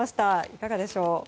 いかがでしょう。